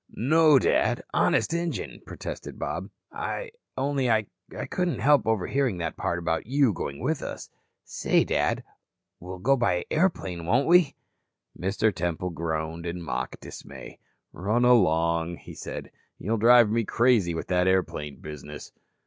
"No, Dad, Honest Injun," protested Bob. "Only I couldn't help overhearing that part about you going with us. Say, Dad, we'll go by airplane, won't we?" Mr. Temple groaned in mock dismay. "Run along," he said. "You'll drive me crazy with that airplane business."